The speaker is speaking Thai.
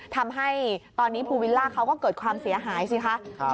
ทำให้ตอนนี้ภูวิลล่าเขาก็เกิดความเสียหายสิคะ